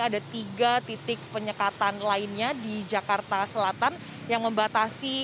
ada tiga titik penyekatan lainnya di jakarta selatan yang membatasi